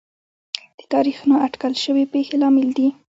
د تاریخ نااټکل شوې پېښې لامل دي.